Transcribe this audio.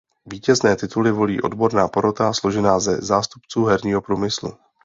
Vítězné tituly volí odborná porota složená ze zástupců herního průmyslu.